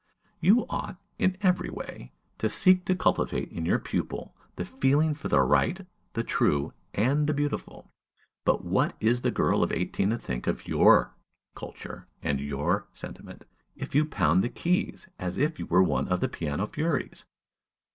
You ought, in every way, to seek to cultivate in your pupil the feeling for the right, the true, and the beautiful; but what is the girl of eighteen to think of your culture and your sentiment, if you pound the keys as if you were one of the "piano furies"?